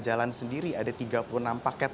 jalan sendiri ada tiga puluh enam paket